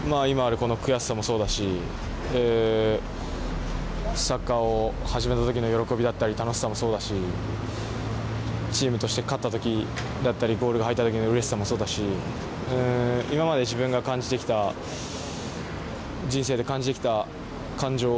この悔しさもそうだしサッカーを始めた時の喜びだったり楽しさもそうだしチームとして勝った時だったりゴールが入った時のうれしさもそうだし今まで自分が感じてきた人生で感じてきた感情